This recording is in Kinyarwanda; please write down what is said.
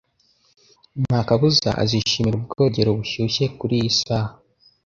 Nta kabuza azishimira ubwogero bushyushye kuriyi saha.